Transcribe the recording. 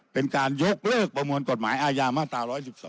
เป็นการยกเลิกประมวลกฎหมายอาญามาตรา๑๑๒